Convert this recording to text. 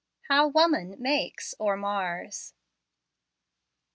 HOW WOMAN MAKES OR MARS.